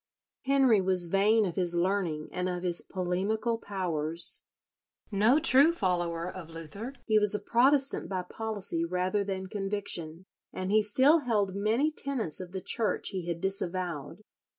Henry was vain of his learning and of his polemical powers. No true follower of Luther, he was a Protestant by policy rather than conviction, and he still held many tenets of the Church he had disavowed.